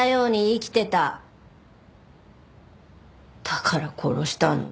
だから殺したの。